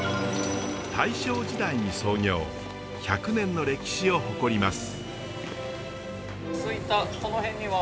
大正時代に創業１００年の歴史を誇ります。